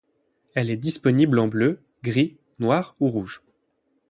Elle est disponible en bleu, gris, noir ou rouge.